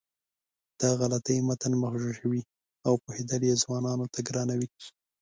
دا غلطۍ متن مغشوشوي او پوهېدل یې ځوانانو ته ګرانوي.